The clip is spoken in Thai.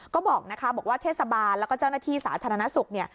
ก็บอกว่าเทศบาลแล้วก็เจ้าหน้าที่สาธารณสุข